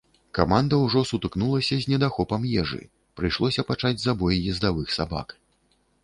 Каманда ўжо сутыкнулася з недахопам ежы, прыйшлося пачаць забой ездавых сабак.